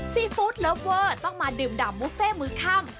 ซีฟู้ดเลิฟเวอร์ต้องมาดื่มดำบุฟเฟ่มือค่ำ